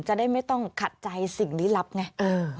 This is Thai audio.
จะได้ไม่ต้องขัดใจสิ่งลี้ลับไง